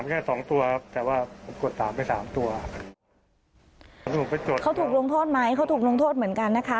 เขาถูกลงโทษไหมเขาถูกลงโทษเหมือนกันนะคะ